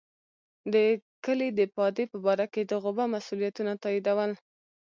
د کلي د پادې په باره کې د غوبه مسوولیتونه تاییدول.